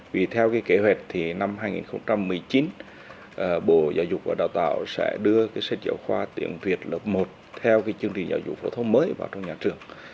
vì theo cái kế hoạch thì năm hai nghìn một mươi chín bộ giáo dục và đào tạo sẽ đưa cái sách giáo khoa tiếng việt lớp một theo cái chương trình giáo dục phổ thông mới vào trong nhà trường